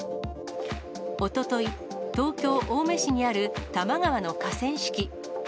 おととい、東京・青梅市にある多摩川の河川敷。